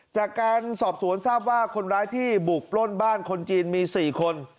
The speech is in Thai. จากการสอบสวนทราบว่าคนร้ายที่บุกปล้นบ้านคนจีนมี๔คน